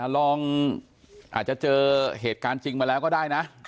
อาจจะเจอเหตุการณ์จริงมาแล้วก็ได้นะ